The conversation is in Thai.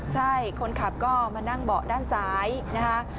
ใช่คนขับก็มานั่งเบาะด้านซ้ายนะคะ